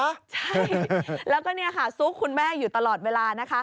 ใช่แล้วก็เนี่ยค่ะซุกคุณแม่อยู่ตลอดเวลานะคะ